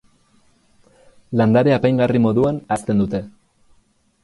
Landare apaingarri moduan hazten dute.